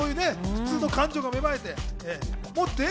普通の感情が芽生えてよかった。